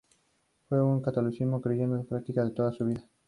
Fue un buen católico creyente y practicante toda su vida.